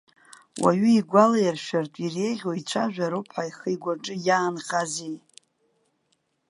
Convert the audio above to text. Уаҩы игәалаиршәартә, иреиӷьу еицәажәароуп ҳәа ихы-игәаҿы иаанхазеи?